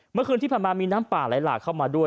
เมื่อคืนที่ผ่านมามีน้ำป่าไหลหลากเข้ามาด้วย